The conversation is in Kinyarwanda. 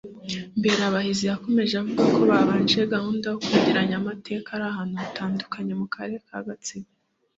Mberabahizi yakomeje avuga ko babanje gahunda yo kwegeranya amateka ari ahantu hatandukanye mu Karere ka Gasabo